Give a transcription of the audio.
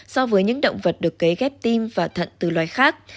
so với những động vật được cấy ghép tim và thận từ loài khác